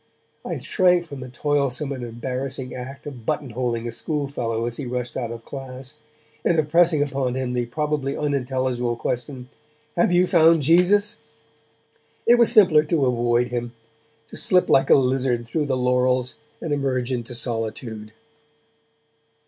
I shrank from the toilsome and embarrassing act of button holing a schoolfellow as he rushed out of class, and of pressing upon him the probably unintelligible question 'Have you found Jesus?' It was simpler to avoid him, to slip like a lizard though the laurels and emerge into solitude.